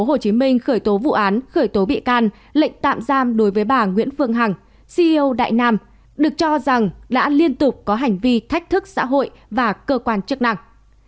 hồ chí minh khởi tố vụ án khởi tố bị can lệnh tạm giam đối với bà nguyễn phương hằng ceo đại nam được cho rằng đã liên tục có hành vi thách thức xã hội và cơ quan chức năng